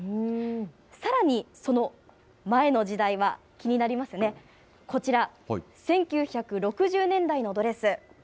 さらにその前の時代は、気になりますね、こちら、１９６０年代のドレス。